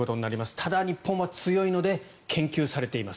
ただ、日本は強いので研究されています。